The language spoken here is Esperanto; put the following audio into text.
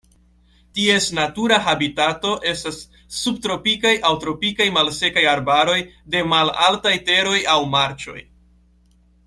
Ties natura habitato estas subtropikaj aŭ tropikaj malsekaj arbaroj de malaltaj teroj aŭ marĉoj.